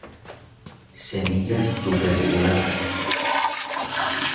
Semillas tuberculadas.